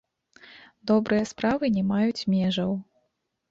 Добрыя справы не маюць межаў!